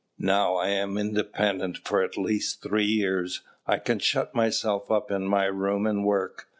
"Now I am independent for at least three years: I can shut myself up in my room and work.